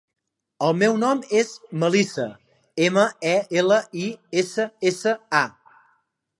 El meu nom és Melissa: ema, e, ela, i, essa, essa, a.